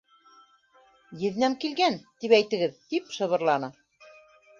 Еҙнәм килгән, тип әйтегеҙ, — тип шыбырланы.